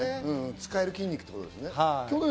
使える筋肉ということですね。